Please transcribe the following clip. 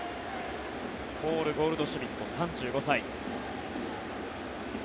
ポール・ゴールドシュミット３５歳。